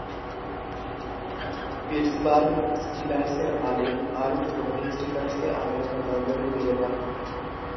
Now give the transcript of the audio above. Pittsburgh স্টিলার্সের মালিক Art Rooney স্টিলার্সকে আমেরিকার দল বলে উড়িয়ে দেন।